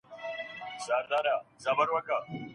هغه ډبره چي موږ یې له کړکۍ څخه چاڼ کوو، لویه ده.